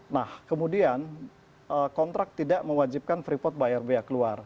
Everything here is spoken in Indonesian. nah kemudian kontrak tidak mewajibkan freeport bayar biaya keluar